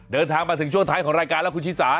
เดินทางมาถึงช่วงท้ายของรายการแล้วคุณชิสา